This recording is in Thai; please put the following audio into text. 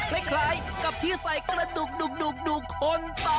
และคลายกับที่ใส่กระดูกคนตายนะ